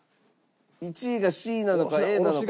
１位がＣなのかＡなのか。